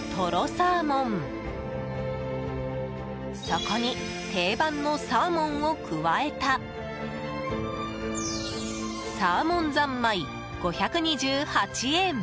そこに定番のサーモンを加えたサーモン三昧、５２８円。